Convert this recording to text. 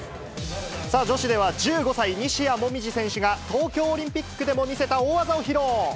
さあ、女子では１５歳、西矢椛選手が東京オリンピックでも見せた大技を披露。